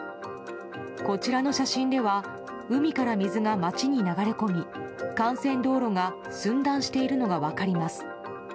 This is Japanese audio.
こちらの写真では、海から水が街に流れ込み幹線道路が寸断しているのが分かります。